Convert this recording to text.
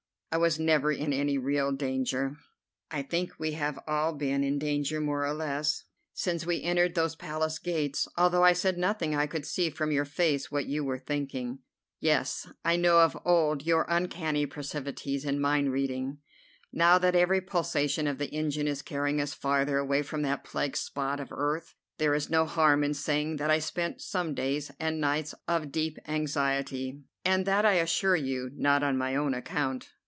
I was never in any real danger." "I think we have all been in danger, more or less, since we entered those Palace gates. Although I said nothing I could see from your face what you were thinking." "Yes, I know of old your uncanny proclivities in mind reading. Now that every pulsation of the engine is carrying us farther away from that plague spot of earth, there is no harm in saying that I spent some days and nights of deep anxiety, and that, I assure you, not on my own account."